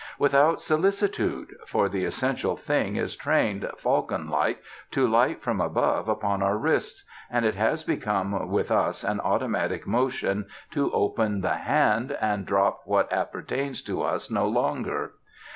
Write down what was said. Without solicitude: for the essential thing is trained, falcon like, to light from above upon our wrists, and it has become with us an automatic motion to open the hand, and drop what appertains to us no longer.